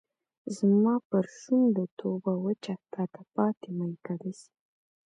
زما پر شونډو توبه وچه تاته پاته میکده سي